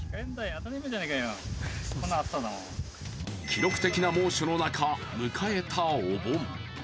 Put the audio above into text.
記録的な猛暑の中、迎えたお盆。